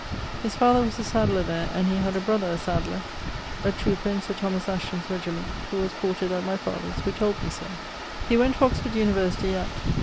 His father was a sadler there, and he had a brother a sadler, a trooper in Sir Thomas Ashton's regiment, who was quartered at my father's, who told me so. He went to Oxford university at